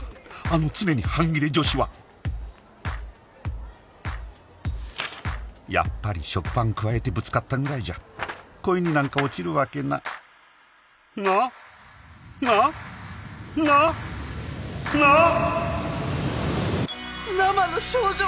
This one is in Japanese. あの常に半ギレ女子はやっぱり食パンくわえてぶつかったぐらいじゃ恋になんか落ちるわけなななななああ